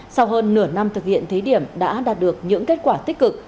sau hơn nửa năm thực hiện thí điểm đã đạt được những kết quả tích cực